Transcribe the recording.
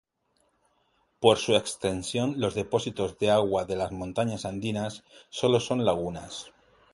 Por su extensión los depósitos de agua de las montañas andinas, solo son lagunas.